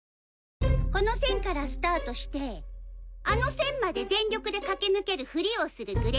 この線からスタートしてあの線まで全力で駆け抜けるふりをするグレスポ。